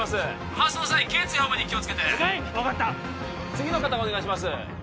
搬送の際頸椎保護に気をつけて分かった次の方お願いします